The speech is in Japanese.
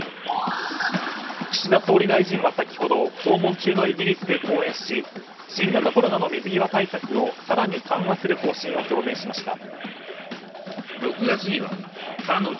岸田総理大臣は先ほど訪問中のイギリスで講演し新型コロナの水際対策を更に緩和する方針を表明しました。